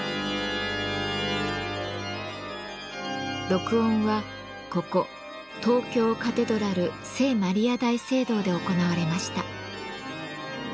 録音はここ東京カテドラル聖マリア大聖堂で行われました。